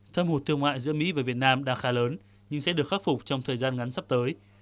thâm hụt thương mại giữa mỹ và việt nam đã khá lớn nhưng sẽ được khắc phục trong thời gian ngắn sắp tới